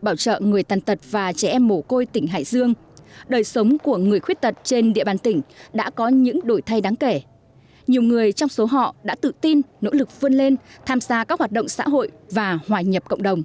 hội bảo trợ người tàn tật đã đặc biệt quan tâm và hỗ trợ người khuyết tật trên địa bàn có hoàn cảnh đặc biệt khó khăn xây dựng nhà ở và giúp họ vơi đi mặc cảm cải thiện điều kiện cuộc sống và có đóng góp tích cực cho xã hội